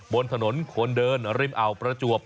บนถนนคนเดินริมอ่าวประจวบ